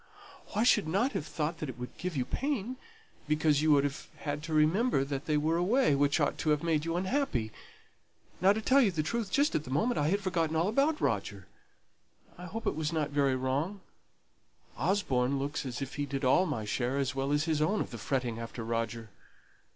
"I should have thought that would have given you pain, because you would have had to remember that they were away, which ought to have made you unhappy. Now, to tell you the truth, just at the moment I had forgotten all about Roger. I hope it wasn't very wrong. Osborne looks as if he did all my share as well as his own of the fretting after Roger.